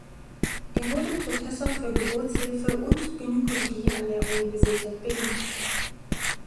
Er wurde Professor für Geburtshilfe und Gynäkologie an der Universität Berlin.